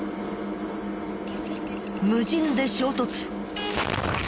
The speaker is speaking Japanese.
無人で衝突。